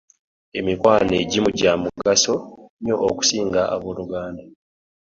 Emikwano egimu gya mugaso nyo okusinga aboluganda.